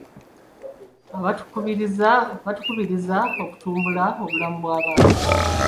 Batukubiriza okutumbula obulamu bw'abaana.